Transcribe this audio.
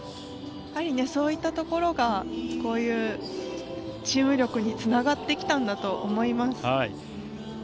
やはりそういったところがこういうチーム力につながってきたんだと思います。